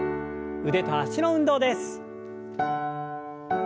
腕と脚の運動です。